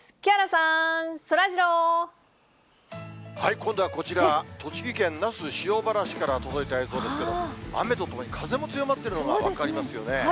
今度はこちら、栃木県那須塩原市から届いた映像ですけれども、雨とともに、風も強まっているのが分かりますよね。